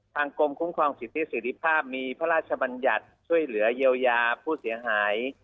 กรมคุ้มครองสิทธิเสรีภาพมีพระราชบัญญัติช่วยเหลือเยียวยาผู้เสียหาย